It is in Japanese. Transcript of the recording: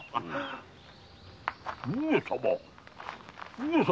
上様